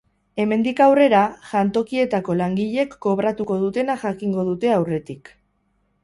Hemendik aurrera, jantokietako langileek kobratuko dutena jakingo dute aurretik.